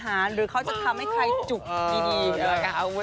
หรือเขาจะทำให้ใครจุกดี